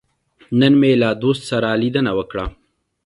نن مې له دوست سره لیدنه وکړه.